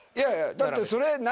だってそれ。